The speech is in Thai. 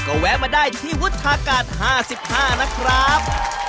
ก็แวะมาได้ที่วุฒากาศ๕๕นะครับ